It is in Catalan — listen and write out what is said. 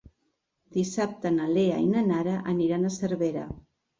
Dissabte na Lea i na Nara aniran a Cervera.